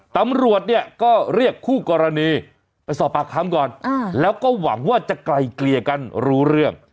ตำรวจเนี่ยก็เรียกคู่กรณีไปสอบปากคำก่อนแล้วก็หวังว่าจะไกลเกลี่ยกันรู้เรื่อง